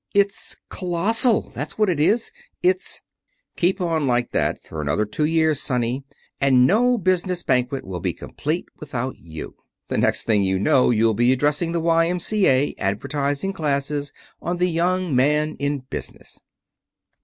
It's colossal, that's what it is! It's " "Keep on like that for another two years, sonny, and no business banquet will be complete without you. The next thing you know you'll be addressing the Y.M.C.A. advertising classes on The Young Man in Business."